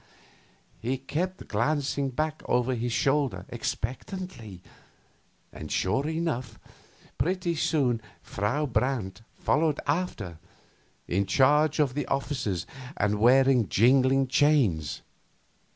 He kept glancing back over his shoulder expectantly. And, sure enough, pretty soon Frau Brandt followed after, in charge of the officers and wearing jingling chains.